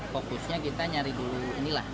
fokusnya kita nyari dulu inilah